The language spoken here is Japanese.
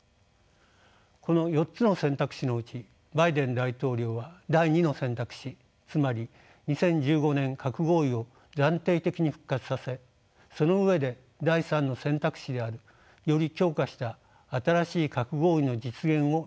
この４つの選択肢のうちバイデン大統領は第２の選択肢つまり２０１５年核合意を暫定的に復活させその上で第３の選択肢であるより強化した新しい核合意の実現を目指しているようです。